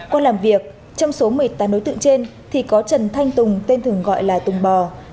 qua làm việc trong số một mươi tám đối tượng trên thì có trần thanh tùng tên thường gọi là tùng bò